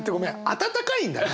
温かいんだね。